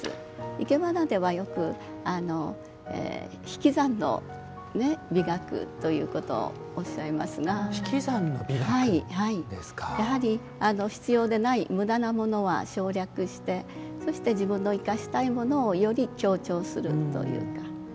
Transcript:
いけばなでは、よく引き算の美学ということをおっしゃいますがやはり、必要でないむだなものは省略してそして、自分の生かしたいものをより強調するというか。